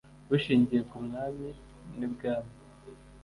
bushingiye ku mwami n ibwami